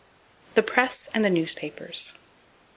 The Press And The Newspapers.